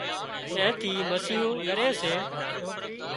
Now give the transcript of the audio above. اين ٿي مسيون ڳري سي